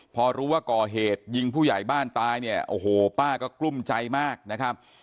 พอรู้ว่าก่อเหตุยิงผู้ใหญ่บ้านตายเนี่ยโอ้โหป้าก็กลุ้มใจมากนะครับ